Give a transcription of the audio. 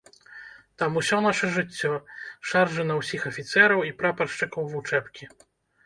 Там усё наша жыццё, шаржы на ўсіх афіцэраў і прапаршчыкаў вучэбкі.